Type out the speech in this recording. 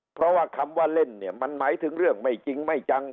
เพราะว่าคำว่าเล่นเนี่ยมันหมายถึงเรื่องไม่จริงไม่จัง